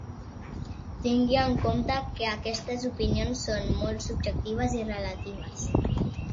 Tingui en compte que aquestes opinions són molt subjectives i relatives.